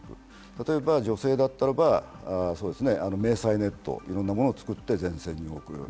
例えば女性だったら迷彩ネット、いろんなものを作って前線に送る。